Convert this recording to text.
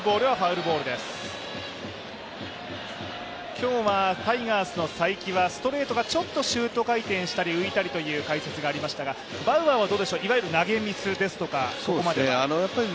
今日はタイガースの才木はストレートがシュート回転したり浮いたりという解説がありましたが、バウアーはどうでしょうか、いわゆる投げミスとか、ここまでは。